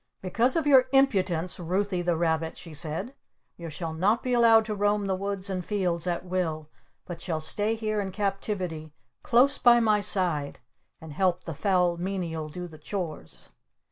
"Because of your impudence, Ruthy the Rabbit," she said, "you shall not be allowed to roam the woods and fields at will. But shall stay here in captivity close by my side and help the Foul Menial do the chores!"